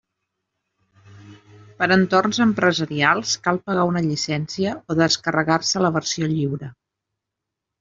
Per a entorns empresarials cal pagar una llicència o descarregar-se la versió lliure.